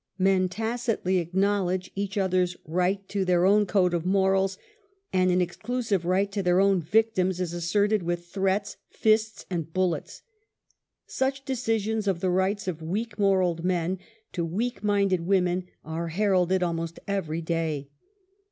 Men tacitly acknowledge each others right to their own code of morals, and an exclusive right to their own victims is asserted with threats, fists and bullets. Such decisions of the rights of weak moraled men to weak minded women are heralded almost every day.